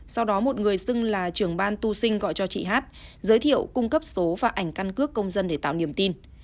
sau đó một người xưng là trưởng ban tu sinh gọi cho chị hát giới thiệu cung cấp số và ảnh căn cước công dân để tạo niềm tin